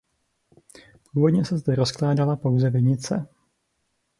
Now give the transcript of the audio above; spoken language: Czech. Původně se zde rozkládala pouze vinice.